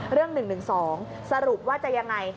เรื่อง๑๑๒สรุปว่าจะยังไง